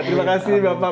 terima kasih bapak